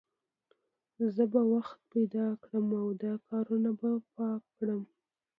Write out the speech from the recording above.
زه به وخت پیدا کړم او دا کارونه به پاک کړم